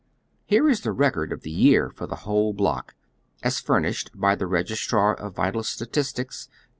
Here is tho recoi d of the year for the whole block, as furnished by the Kegistrar of Vital Statistics, Br.